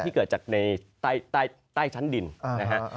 ที่เกิดจากในใต้ชั้นดินนะครับ